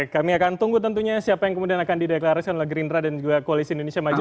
kami akan tunggu tentunya siapa yang kemudian akan dideklarasikan oleh gerindra dan juga koalisi indonesia maju